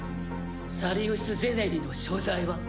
サリウス・ゼネリの所在は？